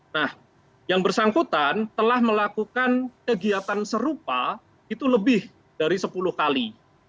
nah yang bersangkutan telah melakukan kegiatan serupa itu lebih dari sepuluh kali